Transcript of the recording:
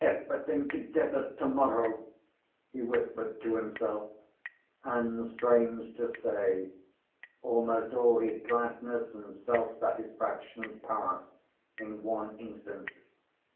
"Everything together to‐morrow!" he whispered to himself, and, strange to say, almost all his gladness and self‐satisfaction passed in one instant.